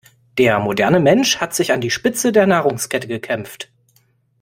Der moderne Mensch hat sich an die Spitze der Nahrungskette gekämpft.